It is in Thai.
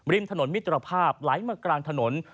ถนนมิตรภาพไหลมากลางถนน